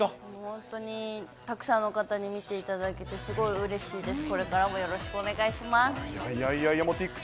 本当にたくさんの方に見ていただけて、すごいうれしいです。